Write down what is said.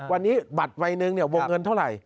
วันนี้บัตรใบหนึ่งวงเงินเท่าไหร่